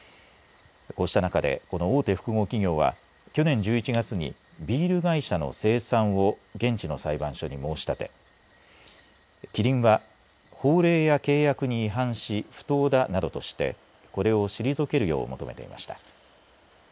こうした中でこの大手複合企業は去年１１月にビール会社の清算を現地の裁判所に申し立てキリンは法令や契約に違反し不当だなどとしてこれを退けるよう求めました。